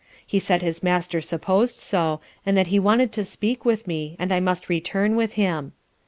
He said his master suppos'd so, and that he wanted to speak with me, and I must return with him.